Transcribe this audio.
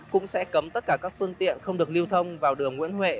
cũng sẽ cấm tất cả các phương tiện không được lưu thông vào đường nguyễn huệ